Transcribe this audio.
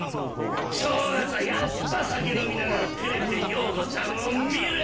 正月はやっぱ酒飲みながらテレビでヨーコちゃんを観る！